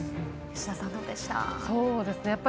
吉田さん、どうでした？